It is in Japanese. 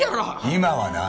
今はな。